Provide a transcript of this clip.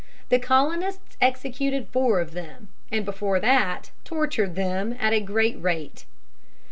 The colonists executed four of them, and before that tortured them at a great rate.